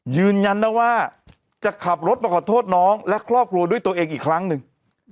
ยืนยันนะว่าจะขับรถมาขอโทษน้องและครอบครัวด้วยตัวเองอีกครั้งหนึ่ง